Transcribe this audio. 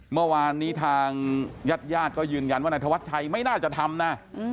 เมื่อวานนี้ทางญาติญาติก็ยืนยันว่านายธวัชชัยไม่น่าจะทำนะ